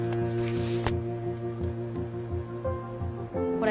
これ。